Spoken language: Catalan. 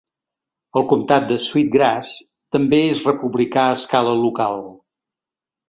El comtat de Sweet Grass també és republicà a escala local.